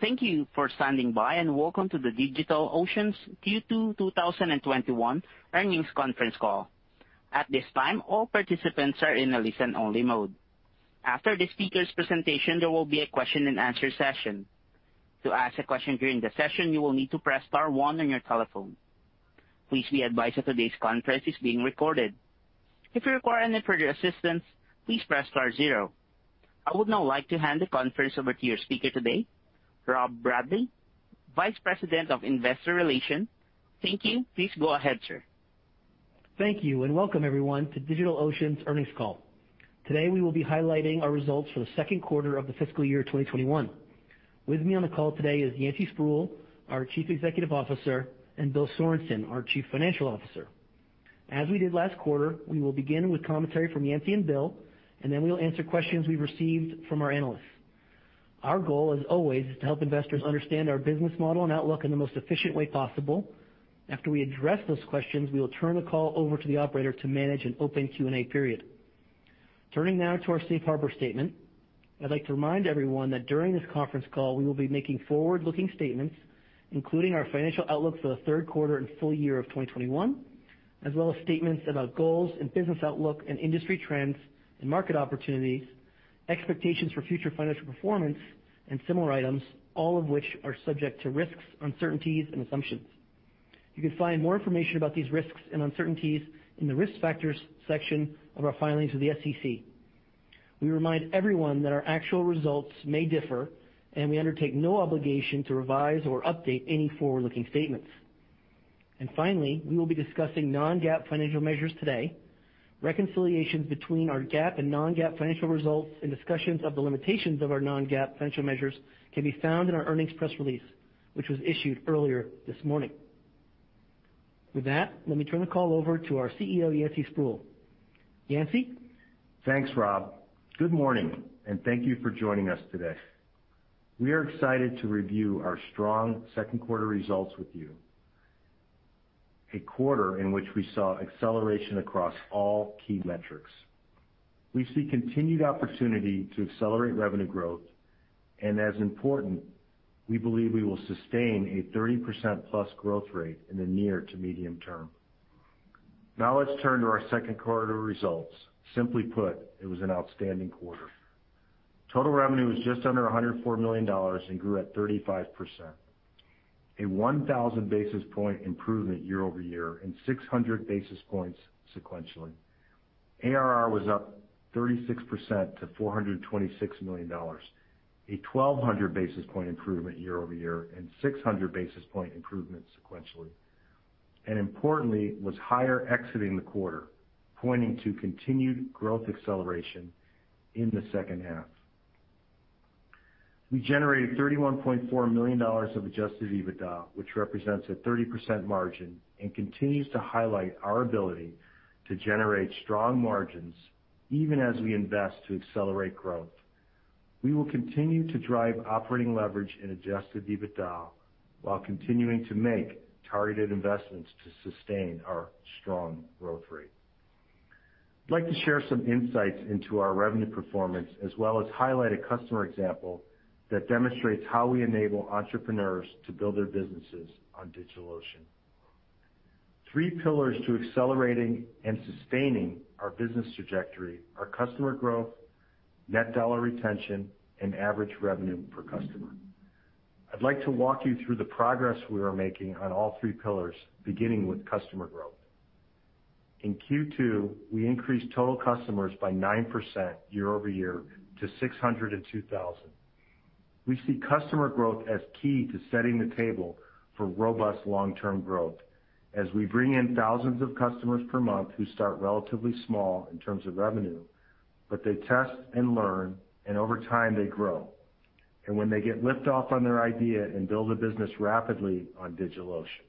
Thank you for standing by, and welcome to the DigitalOcean's Q2 2021 earnings conference call. At this time, all participants are in a listen-only mode. After the speakers presentation, there will be a question and answer session. To ask a question during the session, you will need to press star one on your telephone. Please be advised that this conference call is being recorded. If you require any further assistance, please press star zero. I would now like to hand the conference over to your speaker today, Rob Bradley, Vice President of Investor Relations. Thank you. Please go ahead, sir. Thank you, and welcome everyone to DigitalOcean's earnings call. Today, we will be highlighting our results for the second quarter of the fiscal year 2021. With me on the call today is Yancey Spruill, our Chief Executive Officer, and Bill Sorenson, our Chief Financial Officer. As we did last quarter, we will begin with commentary from Yancey and Bill, and then we'll answer questions we received from our analysts. Our goal, as always, is to help investors understand our business model and outlook in the most efficient way possible. After we address those questions, we will turn the call over to the operator to manage an open Q&A period. Turning now to our safe harbor statement, I'd like to remind everyone that during this conference call, we will be making forward-looking statements, including our financial outlook for the third quarter and full year of 2021, as well as statements about goals and business outlook and industry trends and market opportunities, expectations for future financial performance and similar items, all of which are subject to risks, uncertainties and assumptions. You can find more information about these risks and uncertainties in the Risk Factors section of our filings with the SEC. We remind everyone that our actual results may differ, and we undertake no obligation to revise or update any forward-looking statements. Finally, we will be discussing non-GAAP financial measures today. Reconciliations between our GAAP and non-GAAP financial results and discussions of the limitations of our non-GAAP financial measures can be found in our earnings press release, which was issued earlier this morning. With that, let me turn the call over to our CEO, Yancey Spruill. Yancey? Thanks, Rob. Good morning, and thank you for joining us today. We are excited to review our strong second quarter results with you. A quarter in which we saw acceleration across all key metrics. We see continued opportunity to accelerate revenue growth. As important, we believe we will sustain a 30%+ growth rate in the near to medium term. Let's turn to our second quarter results. Simply put, it was an outstanding quarter. Total revenue was just under $104 million and grew at 35%, a 1,000 basis point improvement year-over-year, and 600 basis points sequentially. ARR was up 36% to $426 million, a 1,200 basis point improvement year-over-year and 600 basis point improvement sequentially. Importantly, was higher exiting the quarter, pointing to continued growth acceleration in the second half. We generated $31.4 million of adjusted EBITDA, which represents a 30% margin and continues to highlight our ability to generate strong margins even as we invest to accelerate growth. We will continue to drive operating leverage in adjusted EBITDA while continuing to make targeted investments to sustain our strong growth rate. I'd like to share some insights into our revenue performance, as well as highlight a customer example that demonstrates how we enable entrepreneurs to build their businesses on DigitalOcean. Three pillars to accelerating and sustaining our business trajectory are customer growth, net dollar retention, and average revenue per customer. I'd like to walk you through the progress we are making on all three pillars, beginning with customer growth. In Q2, we increased total customers by 9% year-over-year to 602,000. We see customer growth as key to setting the table for robust long-term growth as we bring in thousands of customers per month who start relatively small in terms of revenue, but they test and learn, and over time they grow when they get liftoff on their idea and build a business rapidly on DigitalOcean.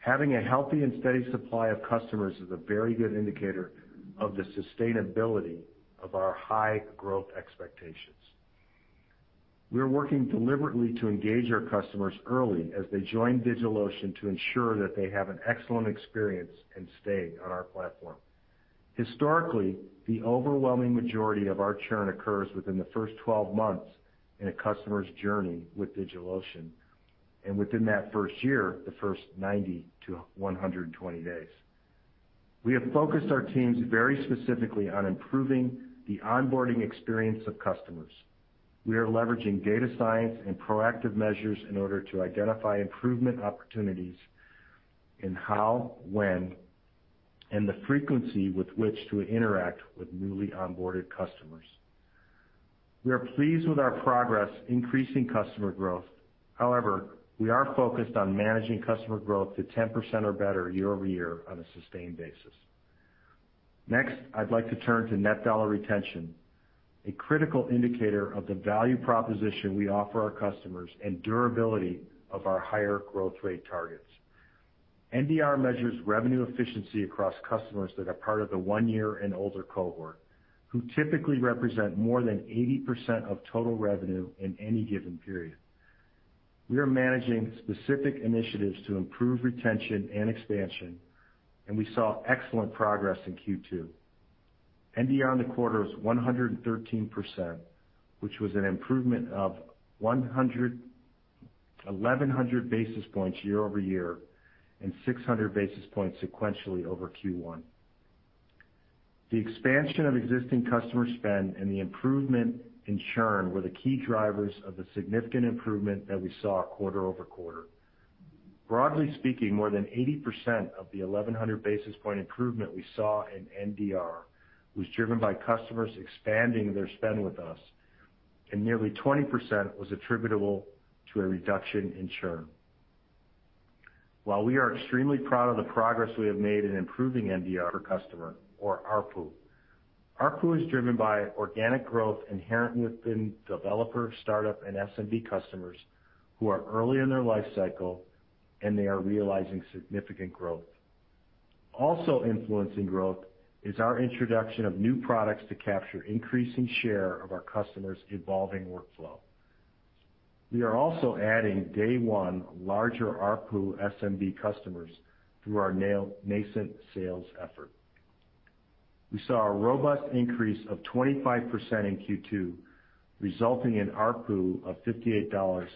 Having a healthy and steady supply of customers is a very good indicator of the sustainability of our high growth expectations. We are working deliberately to engage our customers early as they join DigitalOcean to ensure that they have an excellent experience and stay on our platform. Historically, the overwhelming majority of our churn occurs within the first 12 months in a customer's journey with DigitalOcean, and within that first year, the first 90 to 120 days. We have focused our teams very specifically on improving the onboarding experience of customers. We are leveraging data science and proactive measures in order to identify improvement opportunities in how, when, and the frequency with which to interact with newly onboarded customers. We are pleased with our progress increasing customer growth. However, we are focused on managing customer growth to 10% or better year-over-year on a sustained basis. Next, I'd like to turn to net dollar retention, a critical indicator of the value proposition we offer our customers and durability of our higher growth rate targets. NDR measures revenue efficiency across customers that are part of the one-year and older cohort, who typically represent more than 80% of total revenue in any given period. We are managing specific initiatives to improve retention and expansion, and we saw excellent progress in Q2. NDR in the quarter was 113%, which was an improvement of 1,100 basis points year-over-year and 600 basis points sequentially over Q1. The expansion of existing customer spend and the improvement in churn were the key drivers of the significant improvement that we saw quarter-over-quarter. Broadly speaking, more than 80% of the 1,100 basis point improvement we saw in NDR was driven by customers expanding their spend with us, and nearly 20% was attributable to a reduction in churn. While we are extremely proud of the progress we have made in improving NDR per customer or ARPU is driven by organic growth inherent within developer, startup, and SMB customers who are early in their life cycle, and they are realizing significant growth. Also influencing growth is our introduction of new products to capture increasing share of our customers' evolving workflow. We are also adding day 1 larger ARPU SMB customers through our nascent sales effort. We saw a robust increase of 25% in Q2, resulting in ARPU of $58.07.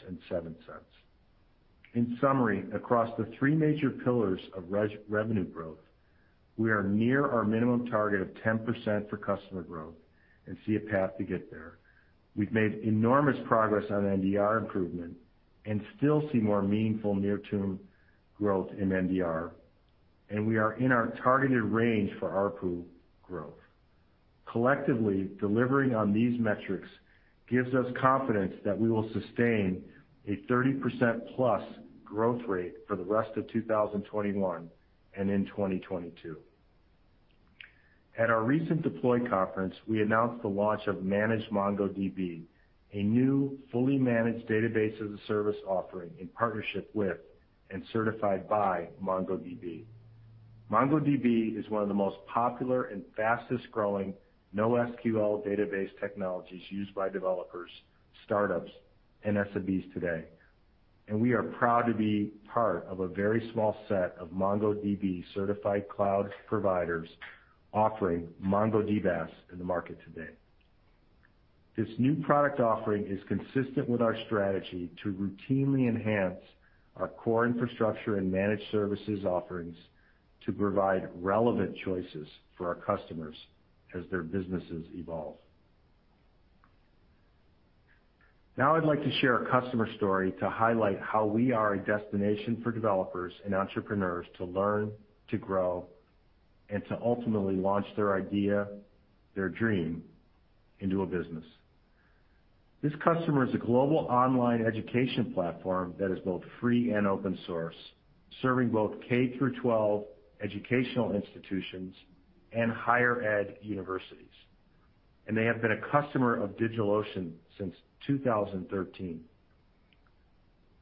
In summary, across the three major pillars of revenue growth, we are near our minimum target of 10% for customer growth and see a path to get there. We've made enormous progress on NDR improvement and still see more meaningful near-term growth in NDR, and we are in our targeted range for ARPU growth. Collectively, delivering on these metrics gives us confidence that we will sustain a 30%+ growth rate for the rest of 2021 and in 2022. At our recent Deploy conference, we announced the launch of Managed MongoDB, a new fully managed database as a service offering in partnership with and certified by MongoDB. MongoDB is one of the most popular and fastest-growing NoSQL database technologies used by developers, startups, and SMBs today. We are proud to be part of a very small set of MongoDB certified cloud providers offering MongoDBaaS in the market today. This new product offering is consistent with our strategy to routinely enhance our core infrastructure and managed services offerings to provide relevant choices for our customers as their businesses evolve. Now I'd like to share a customer story to highlight how we are a destination for developers and entrepreneurs to learn, to grow, and to ultimately launch their idea, their dream into a business. This customer is a global online education platform that is both free and open source, serving both K through 12 educational institutions and higher ed universities. They have been a customer of DigitalOcean since 2013.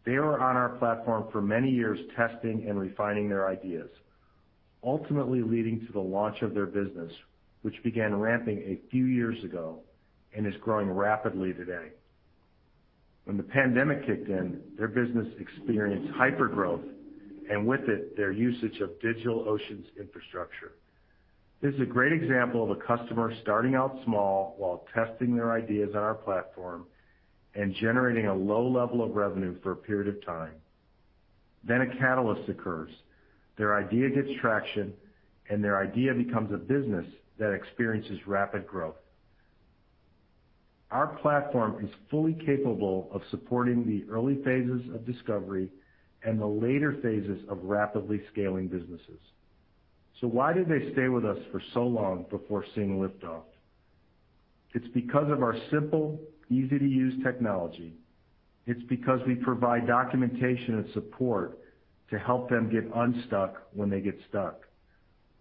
They were on our platform for many years, testing and refining their ideas, ultimately leading to the launch of their business, which began ramping a few years ago and is growing rapidly today. When the pandemic kicked in, their business experienced hypergrowth and with it, their usage of DigitalOcean's infrastructure. This is a great example of a customer starting out small while testing their ideas on our platform and generating a low level of revenue for a period of time. A catalyst occurs. Their idea gets traction, and their idea becomes a business that experiences rapid growth. Our platform is fully capable of supporting the early phases of discovery and the later phases of rapidly scaling businesses. Why did they stay with us for so long before seeing lift-off? It's because of our simple, easy-to-use technology. It's because we provide documentation and support to help them get unstuck when they get stuck.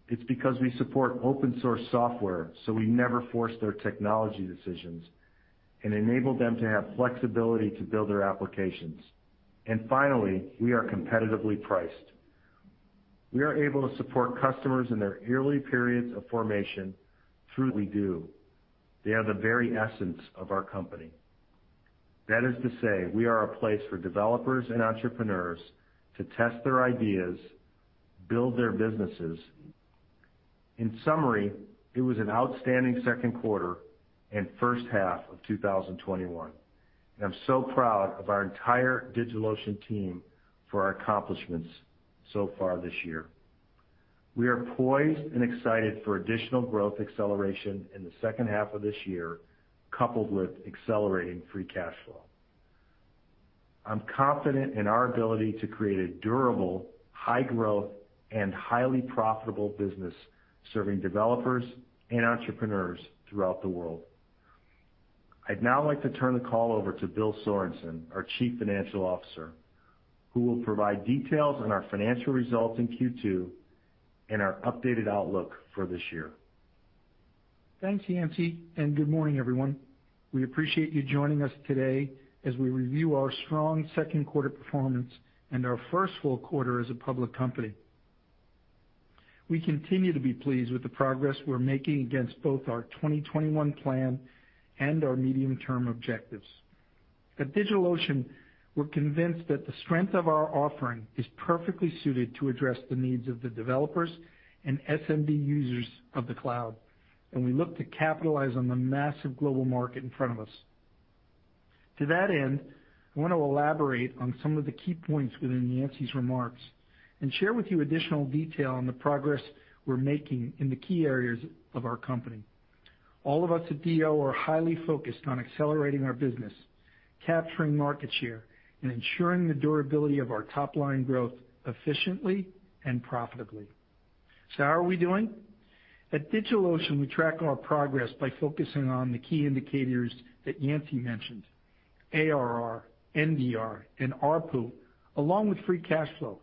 It's because we support open source software, we never force their technology decisions and enable them to have flexibility to build their applications. Finally, we are competitively priced. We are able to support customers in their early periods of formation through what we do. They are the very essence of our company. That is to say we are a place for developers and entrepreneurs to test their ideas, build their businesses. In summary, it was an outstanding second quarter and first half of 2021. I'm so proud of our entire DigitalOcean team for our accomplishments so far this year. We are poised and excited for additional growth acceleration in the second half of this year, coupled with accelerating free cash flow. I'm confident in our ability to create a durable, high growth, and highly profitable business serving developers and entrepreneurs throughout the world. I'd now like to turn the call over to Bill Sorenson, our Chief Financial Officer, who will provide details on our financial results in Q2 and our updated outlook for this year. Thanks, Yancey, and good morning, everyone. We appreciate you joining us today as we review our strong second quarter performance and our first full quarter as a public company. We continue to be pleased with the progress we're making against both our 2021 plan and our medium-term objectives. At DigitalOcean, we're convinced that the strength of our offering is perfectly suited to address the needs of the developers and SMB users of the cloud, and we look to capitalize on the massive global market in front of us. To that end, I want to elaborate on some of the key points within Yancey's remarks and share with you additional detail on the progress we're making in the key areas of our company. All of us at DigitalOcean are highly focused on accelerating our business, capturing market share, and ensuring the durability of our top-line growth efficiently and profitably. How are we doing? At DigitalOcean, we track our progress by focusing on the key indicators that Yancey mentioned, ARR, NDR, and ARPU, along with free cash flow.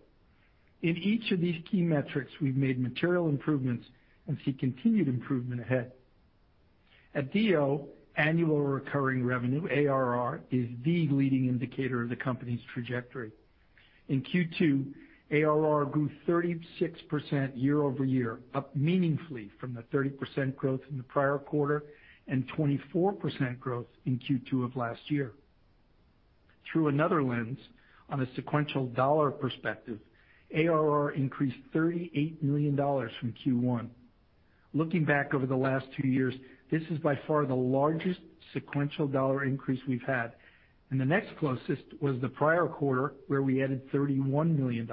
In each of these key metrics, we've made material improvements and see continued improvement ahead. At DO, annual recurring revenue, ARR, is the leading indicator of the company's trajectory. In Q2, ARR grew 36% year-over-year, up meaningfully from the 30% growth in the prior quarter and 24% growth in Q2 of last year. Through another lens, on a sequential dollar perspective, ARR increased $38 million from Q1. Looking back over the last two years, this is by far the largest sequential dollar increase we've had, and the next closest was the prior quarter, where we added $31 million.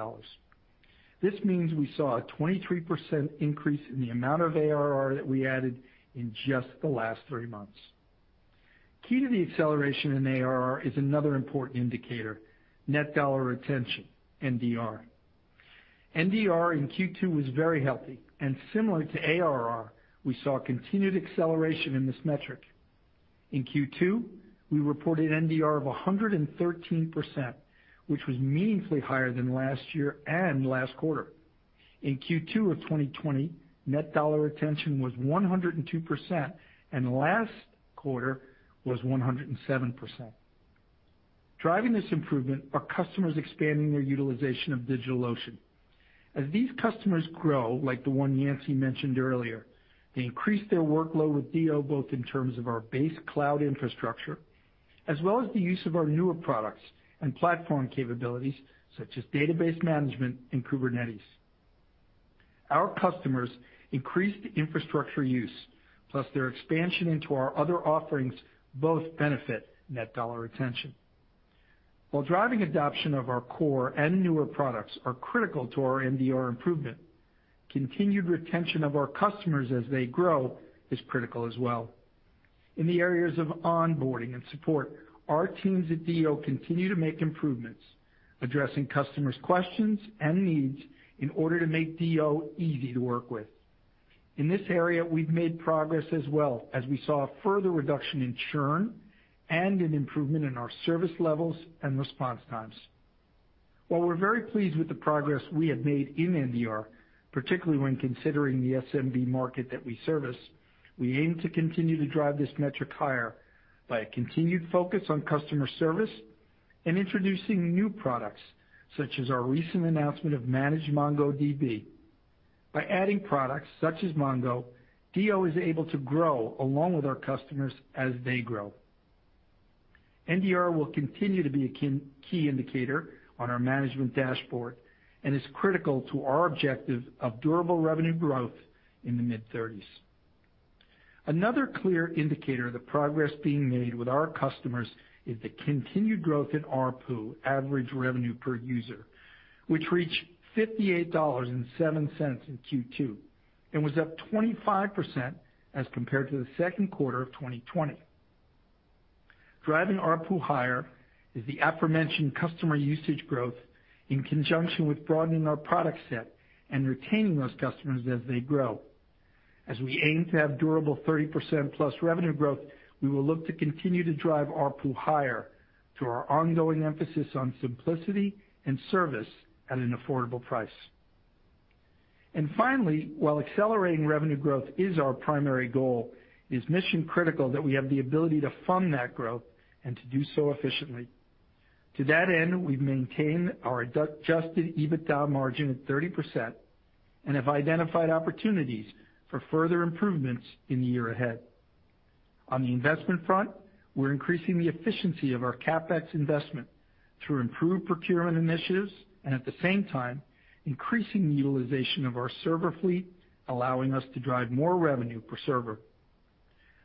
This means we saw a 23% increase in the amount of ARR that we added in just the last three months. Key to the acceleration in ARR is another important indicator, net dollar retention, NDR. NDR in Q2 was very healthy, and similar to ARR, we saw continued acceleration in this metric. In Q2, we reported NDR of 113%, which was meaningfully higher than last year and last quarter. In Q2 of 2020, net dollar retention was 102%, and last quarter was 107%. Driving this improvement are customers expanding their utilization of DigitalOcean. As these customers grow, like the one Yancey mentioned earlier, they increase their workload with DO, both in terms of our base cloud infrastructure as well as the use of our newer products and platform capabilities, such as database management and Kubernetes. Our customers increased infrastructure use, plus their expansion into our other offerings both benefit net dollar retention. While driving adoption of our core and newer products are critical to our NDR improvement, continued retention of our customers as they grow is critical as well. In the areas of onboarding and support, our teams at DO continue to make improvements, addressing customers' questions and needs in order to make DO easy to work with. In this area, we've made progress as well, as we saw a further reduction in churn and an improvement in our service levels and response times. While we're very pleased with the progress we have made in NDR, particularly when considering the SMB market that we service, we aim to continue to drive this metric higher by a continued focus on customer service and introducing new products, such as our recent announcement of Managed MongoDB. By adding products such as MongoDB, DO is able to grow along with our customers as they grow. NDR will continue to be a key indicator on our management dashboard, is critical to our objective of durable revenue growth in the mid-30s. Another clear indicator of the progress being made with our customers is the continued growth in ARPU, average revenue per user, which reached $58.07 in Q2, was up 25% as compared to the second quarter of 2020. Driving ARPU higher is the aforementioned customer usage growth in conjunction with broadening our product set and retaining those customers as they grow. As we aim to have durable 30% plus revenue growth, we will look to continue to drive ARPU higher through our ongoing emphasis on simplicity and service at an affordable price. Finally, while accelerating revenue growth is our primary goal, it's mission-critical that we have the ability to fund that growth and to do so efficiently. To that end, we've maintained our adjusted EBITDA margin at 30% and have identified opportunities for further improvements in the year ahead. On the investment front, we're increasing the efficiency of our CapEx investment through improved procurement initiatives and, at the same time, increasing the utilization of our server fleet, allowing us to drive more revenue per server.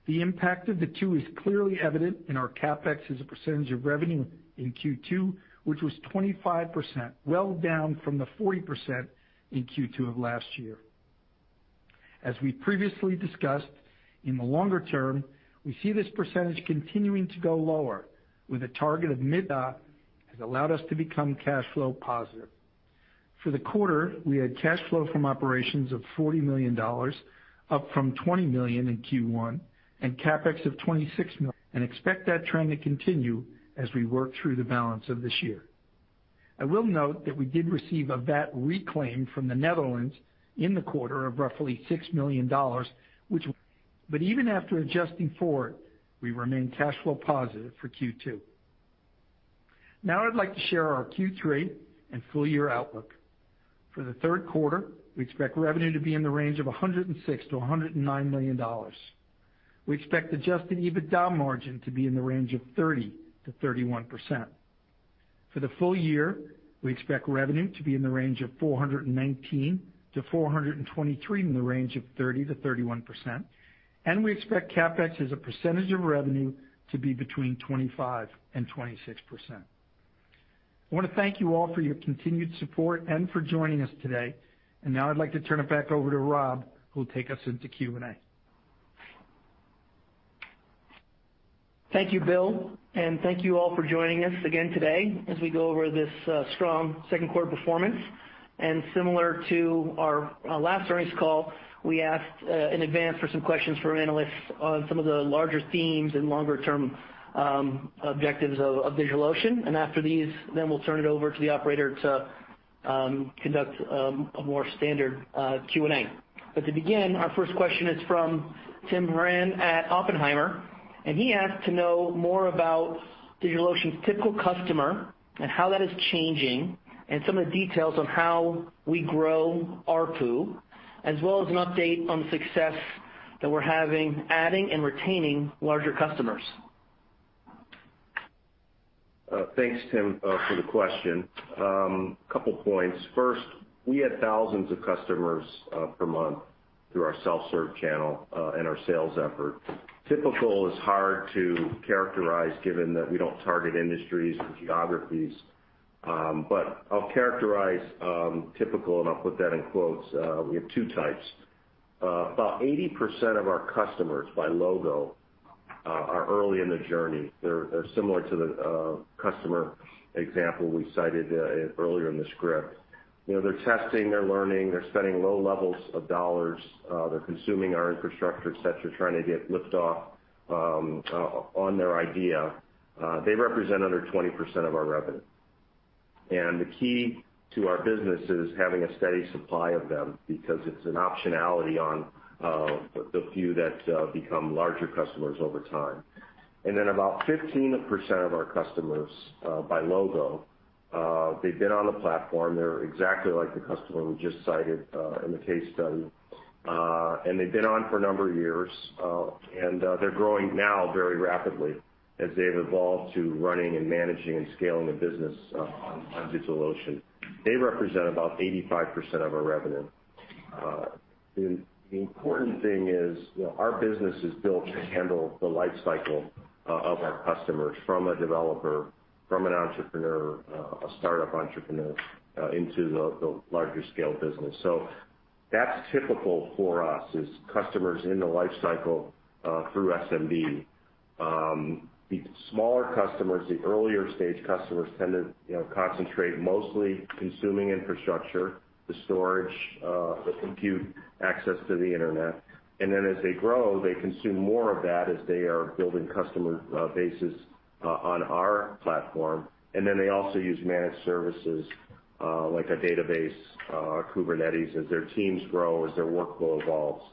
The impact of the two is clearly evident in our CapEx as a percentage of revenue in Q2, which was 25%, well down from the 40% in Q2 of last year. As we previously discussed, in the longer term, we see this percentage continuing to go lower. Has allowed us to become cash flow positive. For the quarter, we had cash flow from operations of $40 million, up from $20 million in Q1, and CapEx of $26 million, and expect that trend to continue as we work through the balance of this year. I will note that we did receive a VAT reclaim from the Netherlands in the quarter of roughly $6 million, but even after adjusting for it, we remain cash flow positive for Q2. I'd like to share our Q3 and full year outlook. For the third quarter, we expect revenue to be in the range of $106- $109 million. We expect adjusted EBITDA margin to be in the range of 30% to 31%. For the full year, we expect revenue to be in the range of $419-$423, in the range of 30%-31%, and we expect CapEx as a percentage of revenue to be between 25% and 26%. I want to thank you all for your continued support and for joining us today. Now I'd like to turn it back over to Rob, who will take us into Q&A. Thank you, Bill, and thank you all for joining us again today as we go over this strong second quarter performance. Similar to our last earnings call, we asked in advance for some questions from analysts on some of the larger themes and longer-term objectives of DigitalOcean. After these, we'll turn it over to the operator to conduct a more standard Q&A. To begin, our first question is from Timothy Horan at Oppenheimer, and he asked to know more about DigitalOcean's typical customer and how that is changing, and some of the details on how we grow ARPU, as well as an update on the success that we're having adding and retaining larger customers. Thanks, Tim, for the question. Couple points. First, we had thousands of customers per month through our self-serve channel and our sales effort. Typical is hard to characterize given that we don't target industries or geographies. I'll characterize "typical," and I'll put that in quotes. We have two types. About 80% of our customers by logo are early in the journey. They're similar to the customer example we cited earlier in the script. They're testing, they're learning, they're spending low levels of dollars. They're consuming our infrastructure, et cetera, trying to get lift off on their idea. They represent under 20% of our revenue. The key to our business is having a steady supply of them because it's an optionality on the few that become larger customers over time. Then about 15% of our customers, by logo, they've been on the platform. They're exactly like the customer we just cited in the case study, and they've been on for a number of years, and they're growing now very rapidly as they've evolved to running and managing and scaling a business on DigitalOcean. They represent about 85% of our revenue. The important thing is our business is built to handle the life cycle of our customers, from a developer, from an entrepreneur, a startup entrepreneur, into the larger scale business. That's typical for us is customers in the life cycle through SMB. The smaller customers, the earlier stage customers tend to concentrate mostly consuming infrastructure, the storage, the compute access to the Internet. As they grow, they consume more of that as they are building customer bases on our platform. They also use managed services, like a database, Kubernetes, as their teams grow, as their workflow evolves.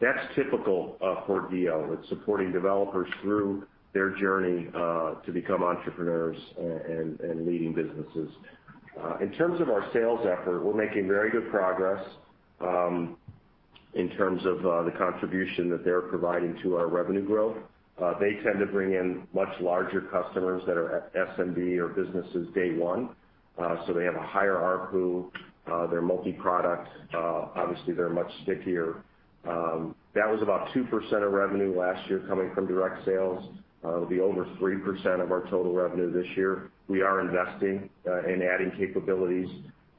That's typical for DO. It's supporting developers through their journey, to become entrepreneurs and leading businesses. In terms of our sales effort, we're making very good progress in terms of the contribution that they're providing to our revenue growth. They tend to bring in much larger customers that are SMB or businesses day one. They have a higher ARPU. They're multi-product. Obviously, they're much stickier. That was about 2% of revenue last year coming from direct sales. It'll be over 3% of our total revenue this year. We are investing in adding capabilities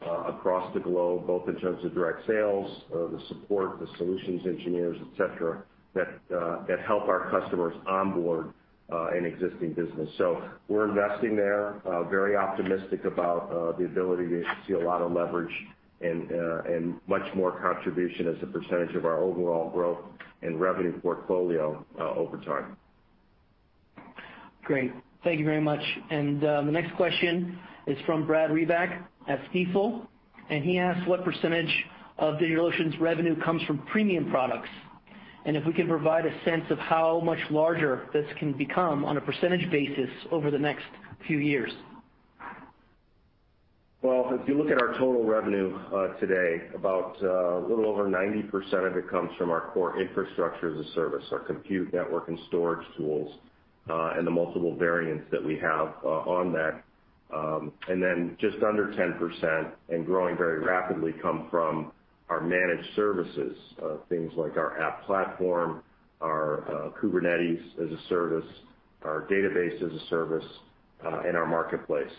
across the globe, both in terms of direct sales, the support, the solutions engineers, et cetera, that help our customers onboard an existing business. We're investing there, very optimistic about the ability to see a lot of leverage and much more contribution as a percentage of our overall growth and revenue portfolio over time. Great. Thank you very much. The next question is from Brad Reback at Stifel, and he asked what percentage of DigitalOcean's revenue comes from premium products, and if we could provide a sense of how much larger this can become on a percentage basis over the next few years. Well, if you look at our total revenue today, about a little over 90% of it comes from our core Infrastructure as a Service, our compute network and storage tools, and the multiple variants that we have on that. Then just under 10%, and growing very rapidly, come from our managed services, things like our App Platform, our Kubernetes as a service, our database as a service, and our marketplace.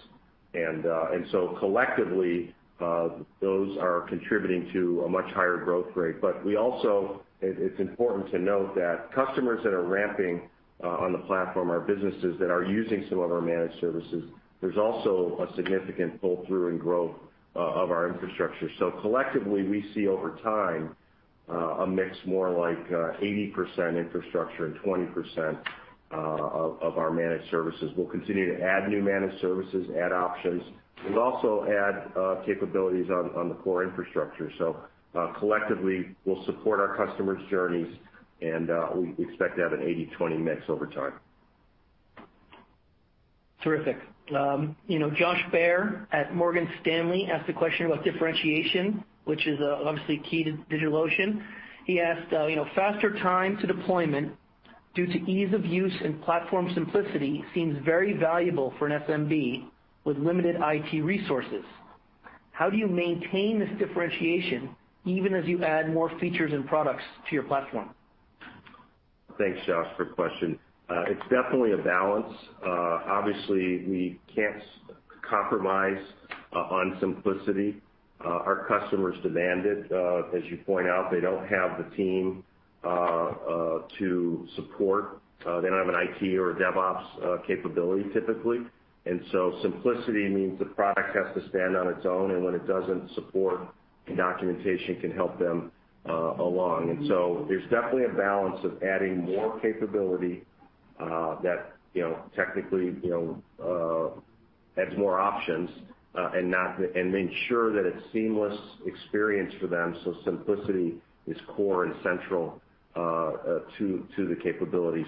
Collectively, those are contributing to a much higher growth rate. It's important to note that customers that are ramping on the platform are businesses that are using some of our managed services. There's also a significant pull-through and growth of our infrastructure. Collectively, we see over time a mix more like 80% infrastructure and 20% of our managed services. We'll continue to add new managed services, add options. We've also add capabilities on the core infrastructure. Collectively, we'll support our customers' journeys, and we expect to have an 80/20 mix over time. Terrific. Josh Baer at Morgan Stanley asked a question about differentiation, which is obviously key to DigitalOcean. He asked, Faster time to deployment due to ease of use and platform simplicity seems very valuable for an SMB with limited IT resources. How do you maintain this differentiation even as you add more features and products to your platform? Thanks, Josh, for the question. It's definitely a balance. Obviously, we can't compromise on simplicity. Our customers demand it. As you point out, they don't have the team to support, they don't have an IT or a DevOps capability, typically. Simplicity means the product has to stand on its own, and when it doesn't, support and documentation can help them along. There's definitely a balance of adding more capability that technically adds more options, and ensure that it's seamless experience for them. Simplicity is core and central to the capability.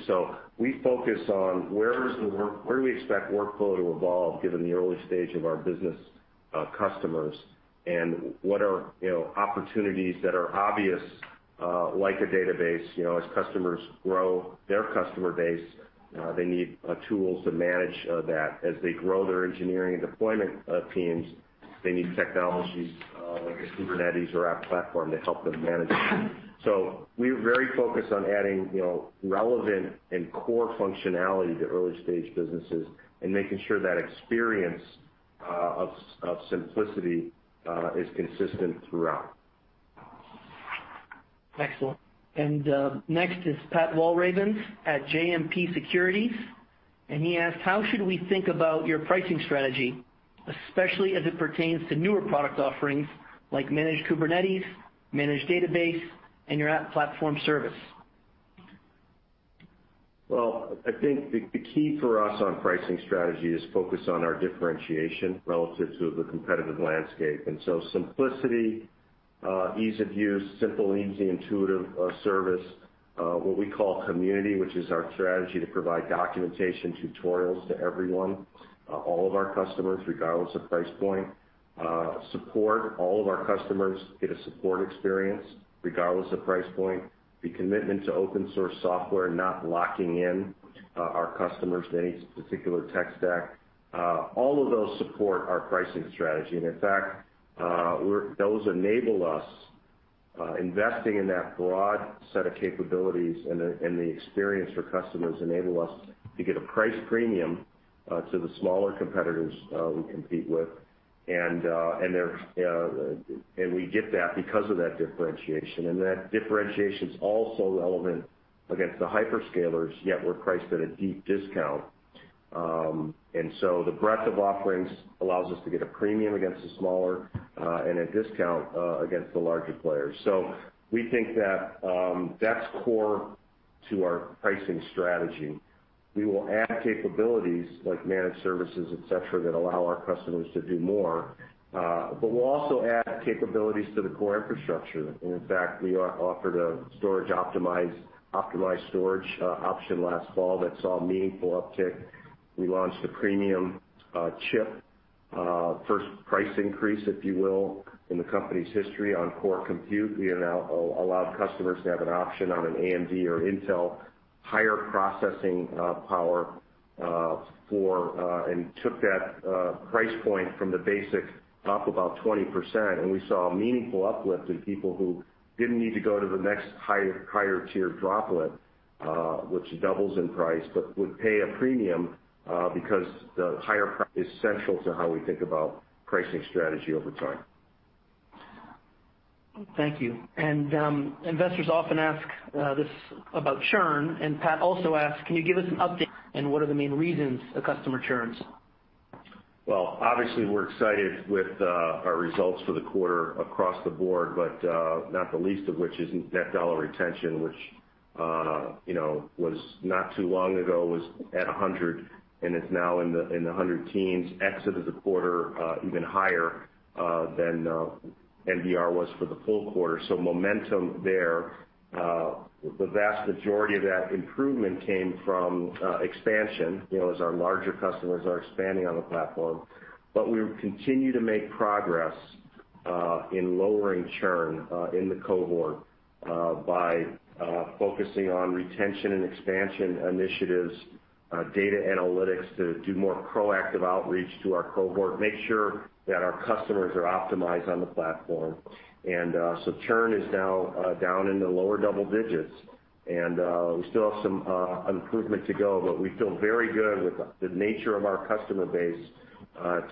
We focus on where do we expect workflow to evolve given the early stage of our business customers, and what are opportunities that are obvious, like a database. As customers grow their customer base, they need tools to manage that. As they grow their engineering and deployment teams, they need technologies like a Kubernetes or App Platform to help them manage that. We're very focused on adding relevant and core functionality to early-stage businesses and making sure that experience of simplicity is consistent throughout. Excellent. Next is Pat Walravens at JMP Securities, and he asked, How should we think about your pricing strategy, especially as it pertains to newer product offerings like Managed Kubernetes, Managed Databases, and your App Platform service? The key for us on pricing strategy is focus on our differentiation relative to the competitive landscape. Simplicity, ease of use, simple, easy, intuitive service, what we call community, which is our strategy to provide documentation tutorials to everyone, all of our customers, regardless of price point. Support, all of our customers get a support experience regardless of price point. The commitment to open source software, not locking in our customers to any particular tech stack. All of those support our pricing strategy. In fact, those enable us, investing in that broad set of capabilities and the experience for customers enable us to get a price premium to the smaller competitors we compete with. We get that because of that differentiation. That differentiation's also relevant against the hyperscalers, yet we're priced at a deep discount. The breadth of offerings allows us to get a premium against the smaller, and a discount against the larger players. We think that that's core to our pricing strategy. We will add capabilities like managed services, et cetera, that allow our customers to do more. We'll also add capabilities to the core infrastructure. In fact, we offered a optimized storage option last fall that saw a meaningful uptick. We launched a premium chip, first price increase, if you will, in the company's history on core compute. We allowed customers to have an option on an AMD or Intel higher processing power, and took that price point from the basic up about 20%, and we saw a meaningful uplift in people who didn't need to go to the next higher tier Droplet, which doubles in price. Would pay a premium because the higher price is central to how we think about pricing strategy over time. Thank you. Investors often ask this about churn, and Pat also asked, Can you give us an update, and what are the main reasons a customer churns? Well, obviously, we're excited with our results for the quarter across the board, but not the least of which is net dollar retention, which not too long ago was at 100, and it's now in the 100 teens, exit of the quarter, even higher than NDR was for the full quarter. Momentum there. The vast majority of that improvement came from expansion, as our larger customers are expanding on the platform. We continue to make progress in lowering churn in the cohort by focusing on retention and expansion initiatives, data analytics to do more proactive outreach to our cohort, make sure that our customers are optimized on the platform. Churn is now down in the lower double digits, and we still have some improvement to go, but we feel very good with the nature of our customer base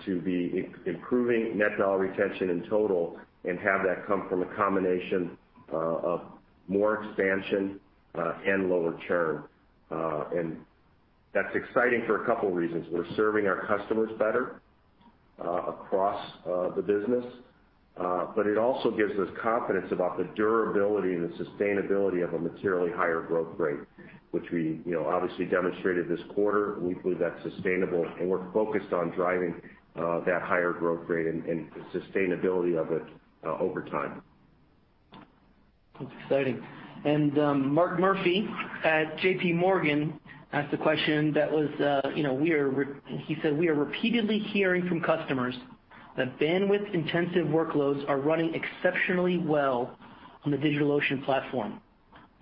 to be improving net dollar retention in total and have that come from a combination of more expansion and lower churn. That's exciting for a couple of reasons. We're serving our customers better across the business. It also gives us confidence about the durability and the sustainability of a materially higher growth rate, which we obviously demonstrated this quarter. We believe that's sustainable, and we're focused on driving that higher growth rate and the sustainability of it over time. That's exciting. Mark Murphy at JPMorgan asked a question that was, he said, We are repeatedly hearing from customers that bandwidth-intensive workloads are running exceptionally well on the DigitalOcean platform.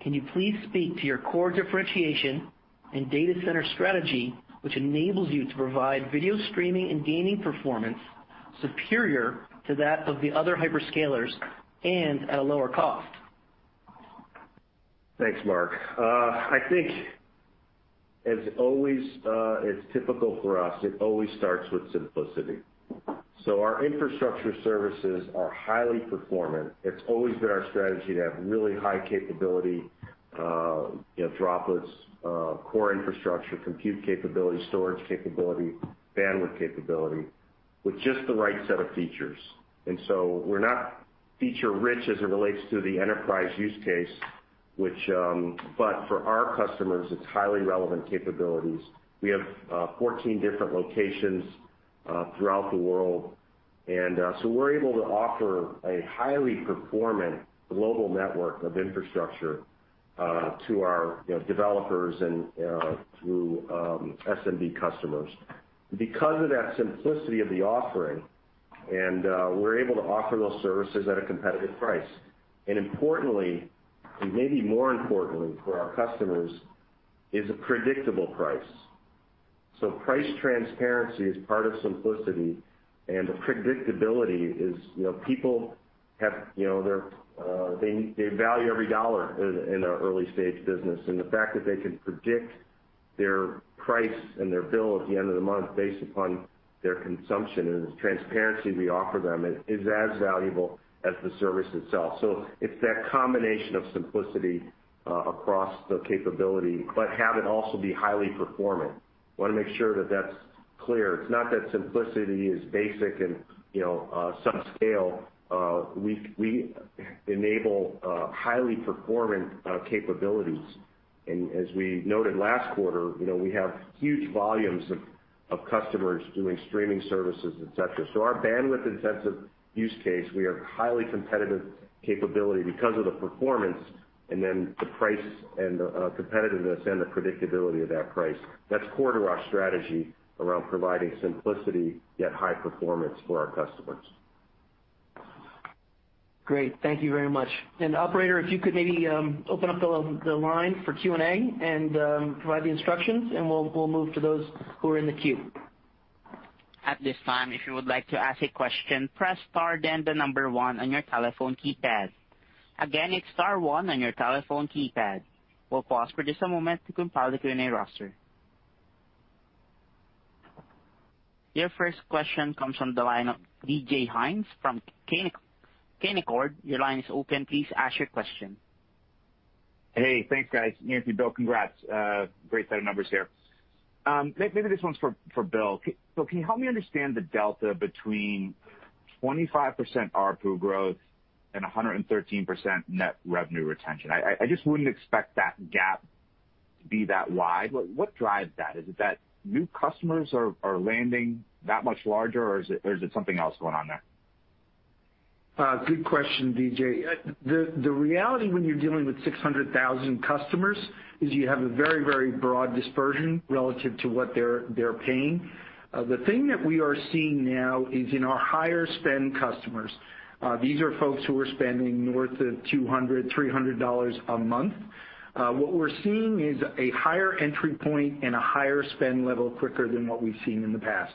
Can you please speak to your core differentiation and data center strategy, which enables you to provide video streaming and gaming performance superior to that of the other hyperscalers and at a lower cost? Thanks, Mark. I think as always, it's typical for us, it always starts with simplicity. Our infrastructure services are highly performant. It's always been our strategy to have really high capability Droplets, core infrastructure, compute capability, storage capability, bandwidth capability with just the right set of features. We're not feature-rich as it relates to the enterprise use case, but for our customers, it's highly relevant capabilities. We have 14 different locations throughout the world, we're able to offer a highly performant global network of infrastructure to our developers and through SMB customers. Because of that simplicity of the offering, we're able to offer those services at a competitive price. Importantly, and maybe more importantly for our customers, is a predictable price. Price transparency is part of simplicity, and the predictability is people, they value every dollar in an early-stage business, and the fact that they can predict their price and their bill at the end of the month based upon their consumption and the transparency we offer them is as valuable as the service itself. It's that combination of simplicity across the capability, but have it also be highly performant. Want to make sure that that's clear. It's not that simplicity is basic and sub-scale. We enable highly performant capabilities. As we noted last quarter, we have huge volumes of customers doing streaming services, et cetera. Our bandwidth-intensive use case, we have highly competitive capability because of the performance, and then the price and the competitiveness and the predictability of that price. That's core to our strategy around providing simplicity, yet high performance for our customers. Great. Thank you very much. Operator, if you could maybe open up the line for Q&A and provide the instructions, we'll move to those who are in the queue. At this time if you would like to ask a question, press star then the number one on your telephone keypad. Again, it's star one on your telephone keypad. We'll pause for just a moment to compile the Q&A roster. Your first question comes from the line of D.J. Hynes from Canaccord. Your line is open. Please ask your question. Hey, thanks, guys. Yancey, Bill, congrats. Great set of numbers here. Maybe this one's for Bill. Bill, can you help me understand the delta between 25% ARPU growth and 113% net revenue retention? I just wouldn't expect that gap to be that wide. What drives that? Is it that new customers are landing that much larger, or is it something else going on there? Good question, D.J. The reality when you're dealing with 600,000 customers is you have a very, very broad dispersion relative to what they're paying. The thing that we are seeing now is in our higher spend customers. These are folks who are spending north of $200, $300 a month. What we're seeing is a higher entry point and a higher spend level quicker than what we've seen in the past.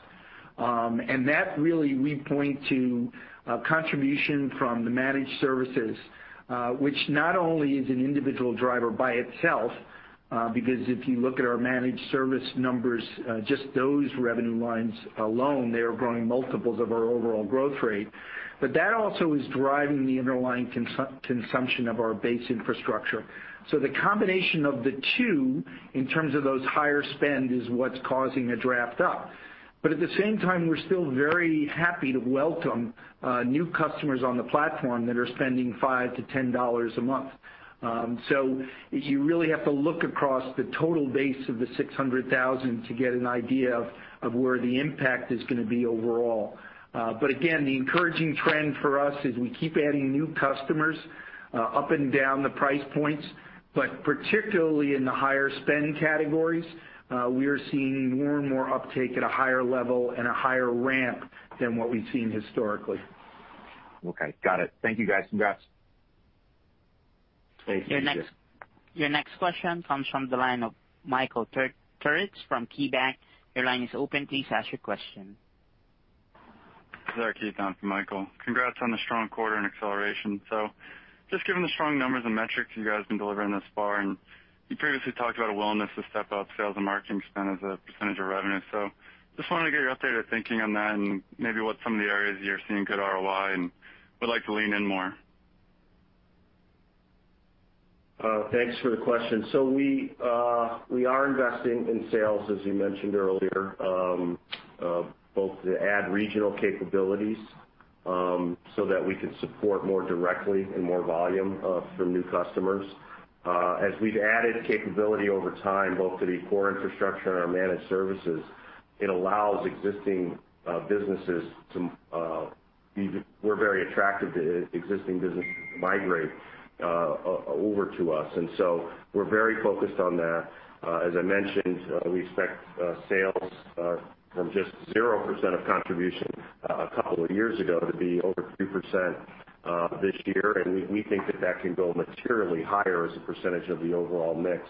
That really we point to contribution from the managed services, which not only is an individual driver by itself, because if you look at our managed service numbers, just those revenue lines alone, they are growing multiples of our overall growth rate. That also is driving the underlying consumption of our base infrastructure. The combination of the two, in terms of those higher spend, is what's causing a draft up. At the same time, we're still very happy to welcome new customers on the platform that are spending $5-$10 a month. You really have to look across the total base of the 600,000 to get an idea of where the impact is going to be overall. Again, the encouraging trend for us is we keep adding new customers up and down the price points, but particularly in the higher spend categories, we are seeing more and more uptake at a higher level and a higher ramp than what we've seen historically. Okay, got it. Thank you, guys. Congrats. Thank you, DJ. Your next question comes from the line of Michael Turits from KeyBanc. Sir, Keith on for Michael Turits. Congrats on the strong quarter and acceleration. Just given the strong numbers and metrics you guys been delivering thus far, and you previously talked about a willingness to step up sales and marketing spend as a percentage of revenue. Just wanted to get your updated thinking on that and maybe what some of the areas you're seeing good ROI, and would like to lean in more. Thanks for the question. We are investing in sales, as you mentioned earlier, both to add regional capabilities so that we can support more directly and more volume from new customers. As we've added capability over time, both to the core infrastructure and our managed services, we're very attractive to existing businesses to migrate over to us. We're very focused on that. As I mentioned, we expect sales from just 0% of contribution a couple of years ago to be over 2% this year, and we think that that can go materially higher as a percentage of the overall mix.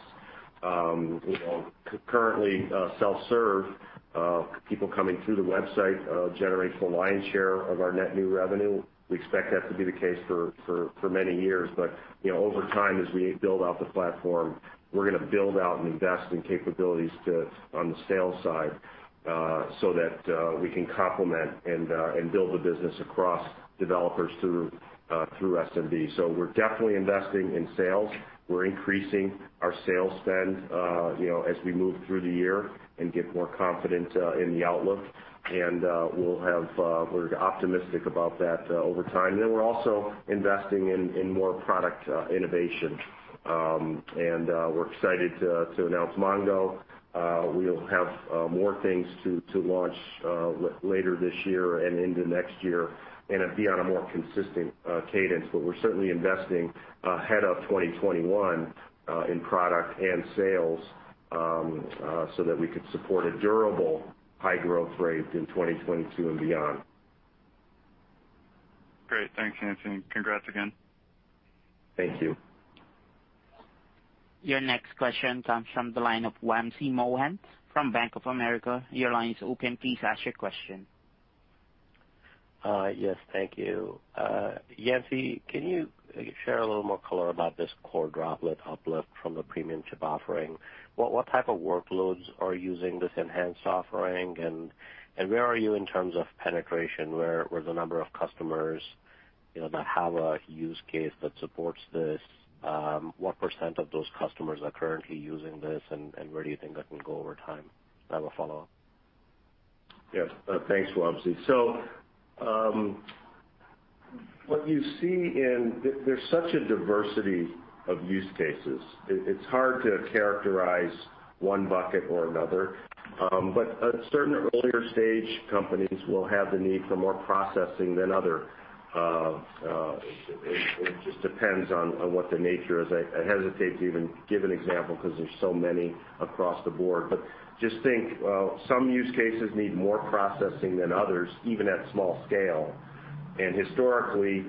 Concurrently, self-serve, people coming through the website, generates the lion's share of our net new revenue. We expect that to be the case for many years. Over time, as we build out the platform, we're going to build out and invest in capabilities on the sales side, so that we can complement and build the business across developers through SMB. We're definitely investing in sales. We're increasing our sales spend as we move through the year and get more confident in the outlook. We're optimistic about that over time. We're also investing in more product innovation. We're excited to announce MongoDB. We'll have more things to launch later this year and into next year, and it'd be on a more consistent cadence. We're certainly investing ahead of 2021 in product and sales, so that we could support a durable high growth rate in 2022 and beyond. Great. Thanks, Yancey, and congrats again. Thank you. Your next question comes from the line of Wamsi Mohan from Bank of America. Your line is open. Please ask your question. Yes, thank you. Yancey, can you share a little more color about this core Droplet uplift from the premium chip offering? What type of workloads are using this enhanced offering, and where are you in terms of penetration, where the number of customers that have a use case that supports this? What percent of those customers are currently using this, and where do you think that will go over time? I have a follow-up. Yeah. Thanks, Wamsi. There's such a diversity of use cases. It's hard to characterize one bucket or another. Certain earlier-stage companies will have the need for more processing than other. It just depends on what the nature is. I hesitate to even give an example because there's so many across the board. Just think, some use cases need more processing than others, even at small scale. Historically,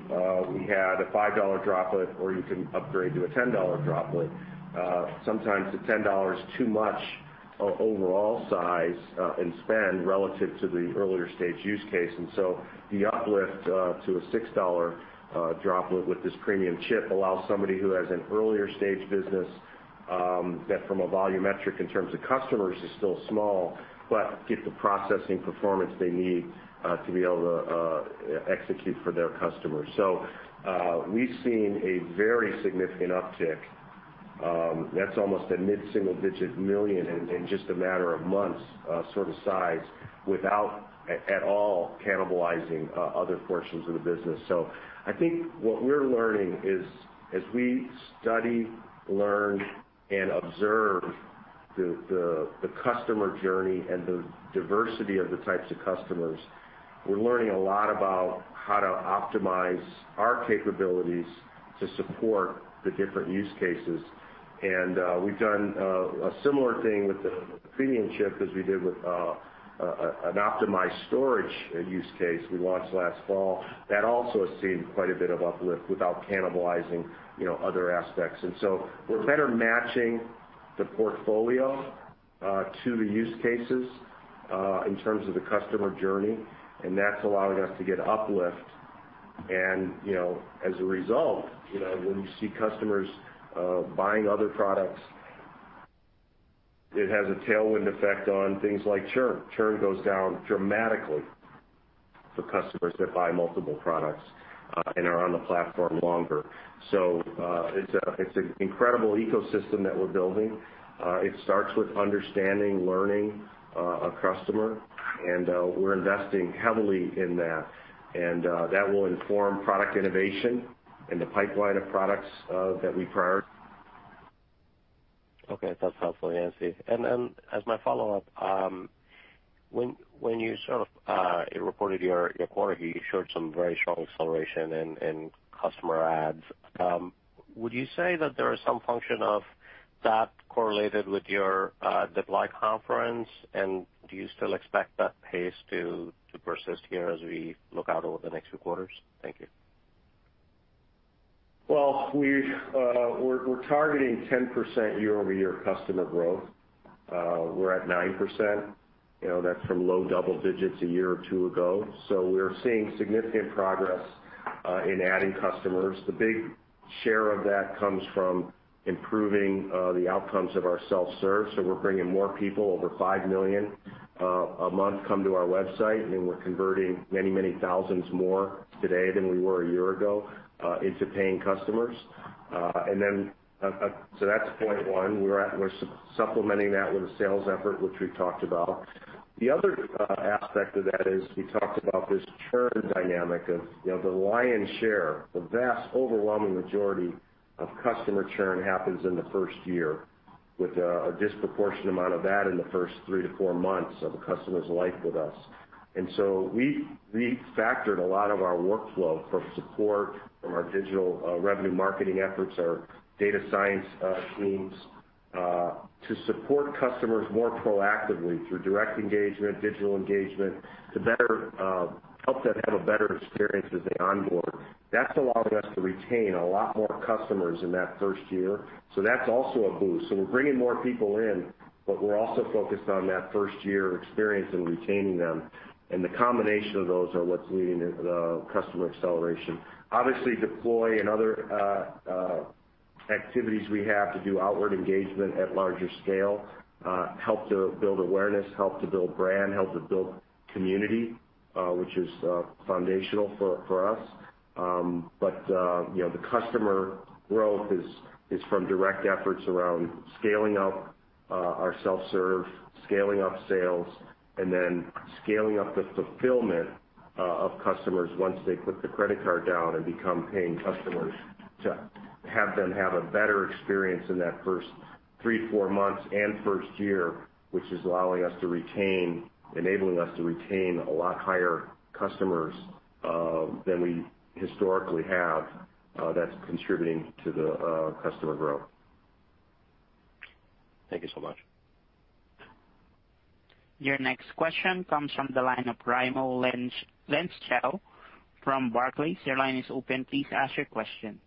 we had a $5 Droplet, or you can upgrade to a $10 Droplet. Sometimes the $10 is too much overall size and spend relative to the earlier-stage use case. The uplift to a $6 Droplet with this premium chip allows somebody who has an earlier-stage business, that from a volume metric in terms of customers is still small, but get the processing performance they need to be able to execute for their customers. We've seen a very significant uptick. That's almost a mid-single-digit million in just a matter of months size without at all cannibalizing other portions of the business. I think what we're learning is, as we study, learn, and observe the customer journey and the diversity of the types of customers, we're learning a lot about how to optimize our capabilities to support the different use cases. We've done a similar thing with the premium chip as we did with an optimized storage use case we launched last fall. That also has seen quite a bit of uplift without cannibalizing other aspects. We're better matching the portfolio to the use cases in terms of the customer journey, and that's allowing us to get uplift. As a result, when you see customers buying other products, it has a tailwind effect on things like churn. Churn goes down dramatically for customers that buy multiple products and are on the platform longer. It's an incredible ecosystem that we're building. It starts with understanding, learning a customer, and we're investing heavily in that, and that will inform product innovation in the pipeline of products that we prioritize. Okay. That's helpful, Yancey. As my follow-up, when you sort of reported your quarter, you showed some very strong acceleration in customer adds. Would you say that there is some function of that correlated with your Deploy conference, and do you still expect that pace to persist here as we look out over the next few quarters? Thank you. We're targeting 10% year-over-year customer growth. We're at 9%. That's from low double digits a year or two ago. We're seeing significant progress in adding customers. The big share of that comes from improving the outcomes of our self-serve. We're bringing more people, over 5 million a month come to our website, and we're converting many thousands more today than we were a year ago into paying customers. That's point one. We're supplementing that with a sales effort, which we talked about. The other aspect of that is we talked about this churn dynamic of the lion's share, the vast overwhelming majority of customer churn happens in the first year, with a disproportionate amount of that in the first three-four months of a customer's life with us. We refactored a lot of our workflow for support from our digital revenue marketing efforts, our data science teams, to support customers more proactively through direct engagement, digital engagement, to better help them have a better experience as they onboard. That's allowing us to retain a lot more customers in that first year. That's also a boost. We're bringing more people in, but we're also focused on that first-year experience and retaining them. The combination of those are what's leading to the customer acceleration. Obviously, Deploy and other activities we have to do outward engagement at larger scale, help to build awareness, help to build brand, help to build community, which is foundational for us. The customer growth is from direct efforts around scaling up our self-serve, scaling up sales, and scaling up the fulfillment of customers once they put the credit card down and become paying customers to have them have a better experience in that first three to four months and first year, which is enabling us to retain a lot higher customers, than we historically have, that's contributing to the customer growth. Thank you so much. Your next question comes from the line of Raimo Lenschow from Barclays. Your line is open. Please ask your question.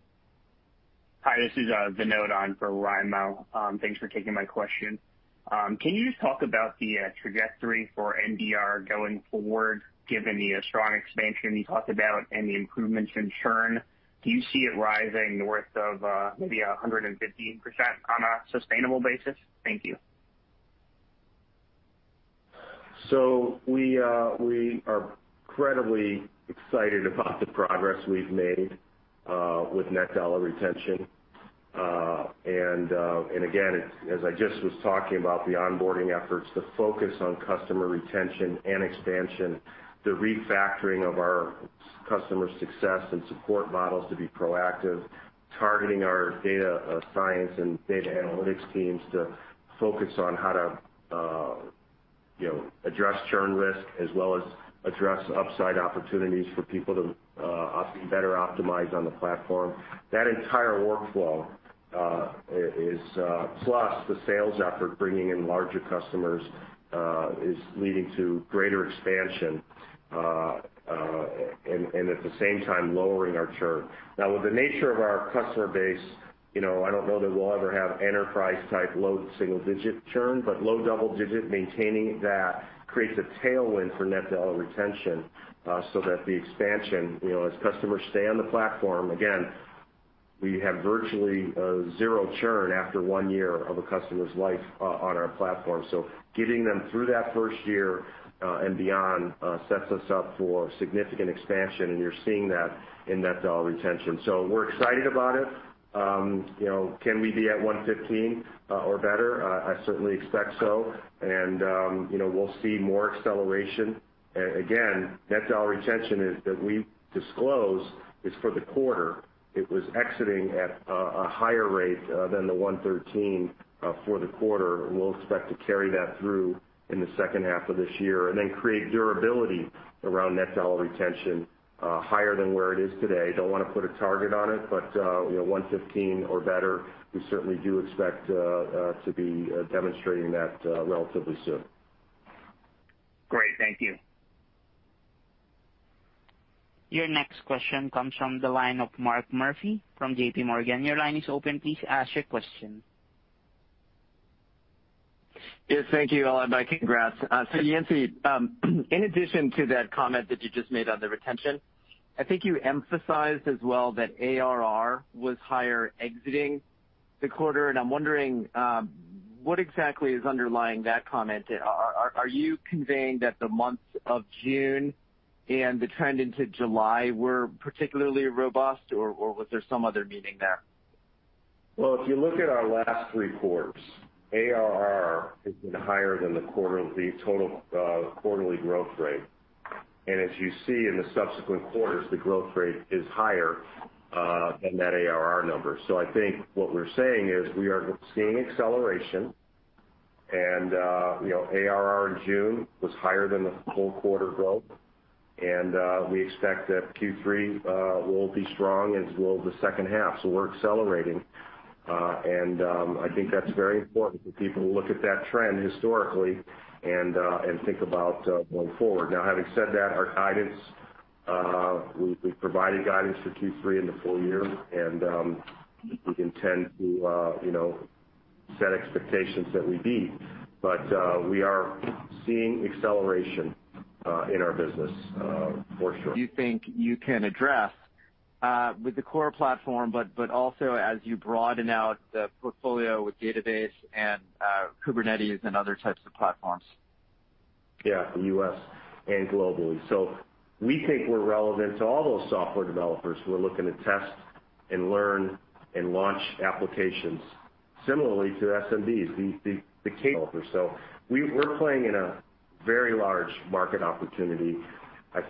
Hi, this is Vinod on for Raimo. Thanks for taking my question. Can you just talk about the trajectory for NDR going forward, given the strong expansion you talked about and the improvements in churn? Do you see it rising north of maybe 115% on a sustainable basis? Thank you. We are incredibly excited about the progress we've made with net dollar retention. Again, as I just was talking about the onboarding efforts, the focus on customer retention and expansion, the refactoring of our customer success and support models to be proactive, targeting our data science and data analytics teams to focus on how to address churn risk as well as address upside opportunities for people to be better optimized on the platform. That entire workflow, plus the sales effort bringing in larger customers, is leading to greater expansion, and at the same time lowering our churn. With the nature of our customer base, I don't know that we'll ever have enterprise-type low single-digit churn, but low double-digit, maintaining that creates a tailwind for net dollar retention, so that the expansion as customers stay on the platform, again, we have virtually zero churn after one year of a customer's life on our platform. Getting them through that first year and beyond sets us up for significant expansion, and you're seeing that in net dollar retention. We're excited about it. Can we be at 115% or better? I certainly expect so. We'll see more acceleration. Again, net dollar retention that we disclose is for the quarter. It was exiting at a higher rate than the 113 for the quarter, and we'll expect to carry that through in the second half of this year and then create durability around net dollar retention higher than where it is today. Don't want to put a target on it, but 115 or better, we certainly do expect to be demonstrating that relatively soon. Great. Thank you. Your next question comes from the line of Mark Murphy from JPMorgan. Your line is open. Please ask your question. Yes, thank you. My congrats. Yancey, in addition to that comment that you just made on the retention, I think you emphasized as well that ARR was higher exiting the quarter, and I'm wondering what exactly is underlying that comment. Are you conveying that the month of June and the trend into July were particularly robust, or was there some other meaning there? Well, if you look at our last three quarters, ARR has been higher than the total quarterly growth rate. As you see in the subsequent quarters, the growth rate is higher than that ARR number. I think what we're saying is we are seeing acceleration and ARR in June was higher than the whole quarter growth, and we expect that Q3 will be strong as will the second half. We're accelerating. I think that's very important for people to look at that trend historically and think about going forward. Now, having said that, our guidance, we've provided guidance for Q3 and the full year, and we intend to set expectations that we beat. We are seeing acceleration in our business for sure. You think you can address with the core platform, but also as you broaden out the portfolio with database and Kubernetes and other types of platforms. Yeah, the U.S. and globally. We think we're relevant to all those software developers who are looking to test and learn and launch applications similarly to SMBs, the key developers. So we're playing in a very large market opportunity.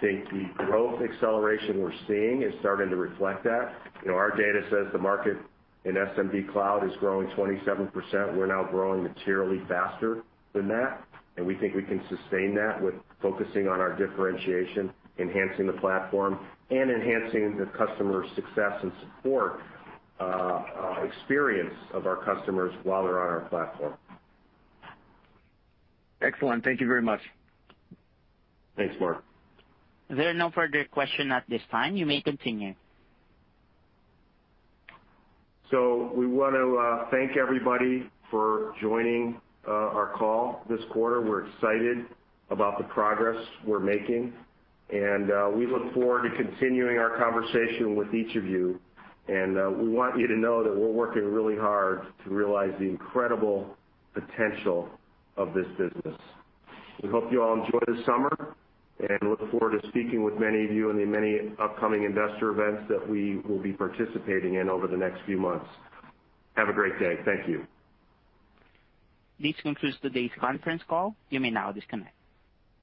The growth acceleration we're seeing is starting to reflect that. Our data says the market in SMB cloud is growing 27%. We're now growing materially faster than that, and we think we can sustain that with focusing on our differentiation, enhancing the platform, and enhancing the customer success and support experience of our customers while they're on our platform. Excellent. Thank you very much. Thanks, Mark. There are no further question at this time. You may continue. We want to thank everybody for joining our call this quarter. We're excited about the progress we're making, and we look forward to continuing our conversation with each of you. We want you to know that we're working really hard to realize the incredible potential of this business. We hope you all enjoy the summer and look forward to speaking with many of you in the many upcoming investor events that we will be participating in over the next few months. Have a great day. Thank you. This concludes today's conference call. You may now disconnect.